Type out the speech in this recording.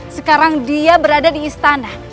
sekarang dia berada di istana